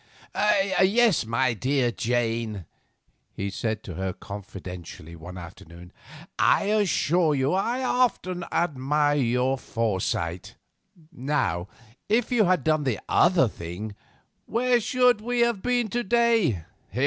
"Yes, my dear Jane," he said to her confidentially one afternoon, "I assure you I often admire your foresight. Now, if you had done the other thing, where should we have been to day?